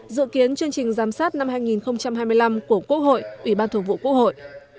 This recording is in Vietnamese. dự kiến chương trình giám sát năm hai nghìn hai mươi năm của quốc hội ủy ban thường vụ quốc hội